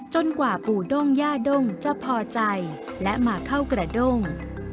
กว่าปู่ด้งย่าด้งจะพอใจและมาเข้ากระด้ง